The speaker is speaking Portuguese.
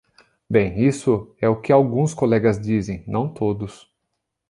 Bem, isso é o que alguns colegas dizem, não todos.